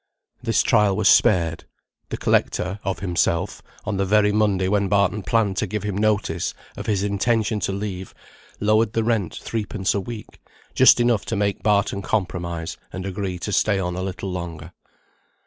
This trial was spared. The collector (of himself), on the very Monday when Barton planned to give him notice of his intention to leave, lowered the rent threepence a week, just enough to make Barton compromise and agree to stay on a little longer.